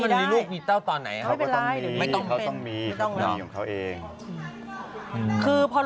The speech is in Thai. เอ้ายมันมีลูก